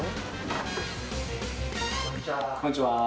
こんにちは。